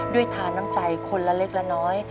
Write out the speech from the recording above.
ทานน้ำใจคนละเล็กละน้อย